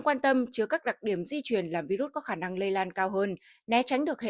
quan tâm chứa các đặc điểm di chuyển làm virus có khả năng lây lan cao hơn né tránh được hệ